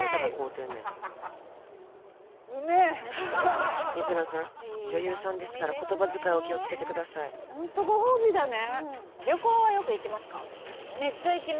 てんねん水野さん女優さんですから言葉遣いを気をつけてくださいホントご褒美だね・